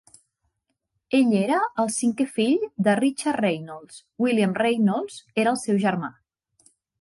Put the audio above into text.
Ell era el cinquè fill de Richard Rainolds; William Rainolds era el seu germà.